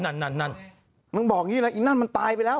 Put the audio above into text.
นางบอกอย่างงี้นะไอ้นั่นมันตายไปแล้ว